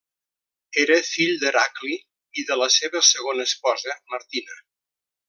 Era fill d'Heracli i de la seva segona esposa Martina.